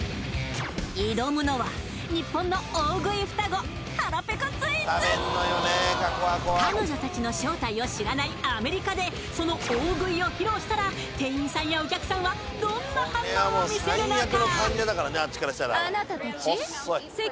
挑むのは日本の彼女達の正体を知らないアメリカでその大食いを披露したら店員さんやお客さんはどんな反応を見せるのか？